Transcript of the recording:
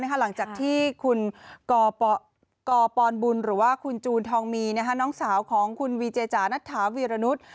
หลังจากที่คุณกปบุญหรือว่าคุณจูนทองมีน้องสาวของคุณวีเจจานัทธาวีรนุษย์